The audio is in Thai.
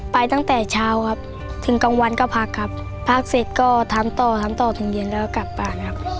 ไปตั้งแต่เช้าครับถึงกลางวันก็พักครับพักเสร็จก็ทำต่อทำต่อถึงเย็นแล้วก็กลับบ้านครับ